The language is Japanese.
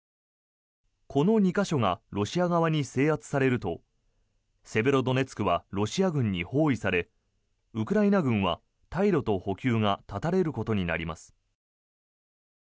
この２か所がロシア側に制圧されるとセベロドネツクはロシア軍に包囲されウクライナ軍は退路と補給が断たれることになります。